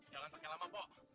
jangan pake lama pok